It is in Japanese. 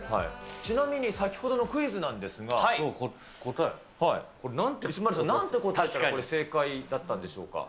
ちなみに先ほどのクイズなん答え。なんて答えたらこれ正解だったんでしょうか。